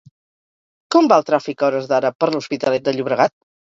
Com va el tràfic a hores d'ara per l'Hospitalet de Llobregat?